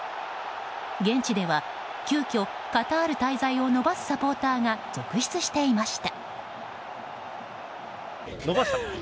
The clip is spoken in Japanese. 現地では、急きょカタール滞在を延ばすサポーターが続出していました。